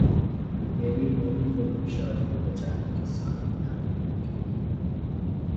میری نئی فلم شادیاں بچانے کے ساتھ طلاقیں روکے گی